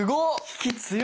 引き強っ！